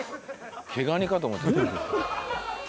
毛ガニかと思った。